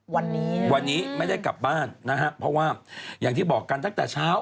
วันนี้วันนี้ไม่ได้กลับบ้านนะฮะเพราะว่าอย่างที่บอกกันตั้งแต่เช้า